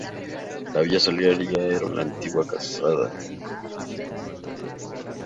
La Via Salaria era una antigua calzada romana en Italia.